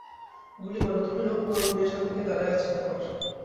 গুলি মারো তুমি, লোক মারো তুমি, আর সাথে কে দাঁড়ায় তাছে তোমার?